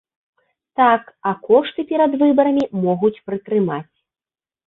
Так, а кошты перад выбарамі могуць прытрымаць.